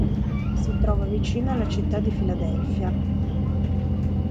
Si trova vicino alla città di Filadelfia.